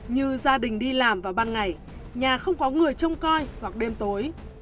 như gia đình đi làm vào ban ngày nhà không có người trông coi hoặc đêm tối